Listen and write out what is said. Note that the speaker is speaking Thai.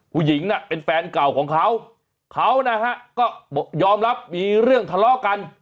ผู้หญิงน่ะเป็นแฟนเก่าของเขาเขานะฮะก็ยอมรับมีเรื่องทะเลาะกัน